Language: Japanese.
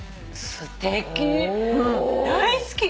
すてき！